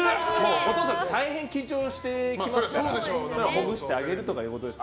お父さん大変緊張してきますからほぐしてあげるということですよ。